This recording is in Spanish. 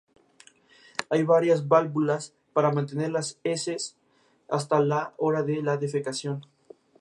Actualmente, está envuelto en una segunda investigación, conocida como Operación Lava Jato.